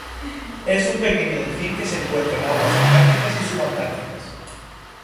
Es un pequeño delfín se encuentra en aguas antárticas y subantárticas.